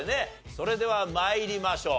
それでは参りましょう。